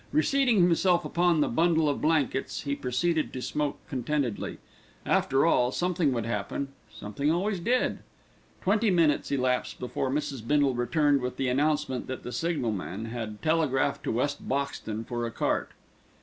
Reseating himself upon the bundle of blankets, he proceeded to smoke contentedly. After all, something would happen, something always did. Twenty minutes elapsed before Mrs. Bindle returned with the announcement that the signalman had telegraphed to West Boxton for a cart.